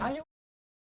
sampai jumpa lagi